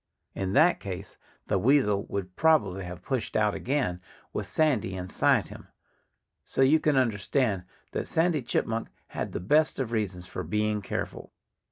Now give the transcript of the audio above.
In that case the weasel would probably have pushed out again, with Sandy inside him. So you can understand that Sandy Chipmunk had the best of reasons for being careful.